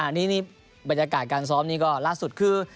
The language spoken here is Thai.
อันนี้นี่บรรยากาศการซ้อมนี่รักสุดคือ